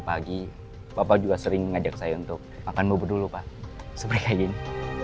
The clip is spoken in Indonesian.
pagi bapak juga sering ngajak saya untuk makan bobot dulu pak seperti ini